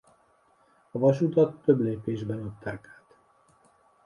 A vasutat több lépésben adták át.